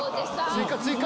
追加、追加。